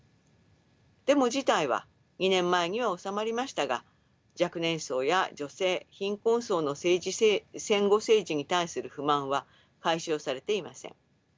でも事態は２年前には収まりましたが若年層や女性貧困層の戦後政治に対する不満は解消されていません。